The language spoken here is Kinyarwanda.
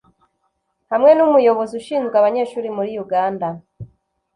hamwe n’umuyobozi ushinzwe abanyeshuri muri Uganda